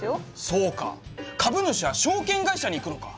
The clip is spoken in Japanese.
そうか株主は証券会社に行くのか。